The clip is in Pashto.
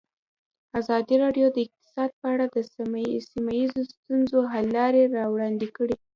ازادي راډیو د اقتصاد په اړه د سیمه ییزو ستونزو حل لارې راوړاندې کړې.